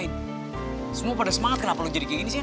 kamu pada semangat kenapa lo jadi kayak gini sian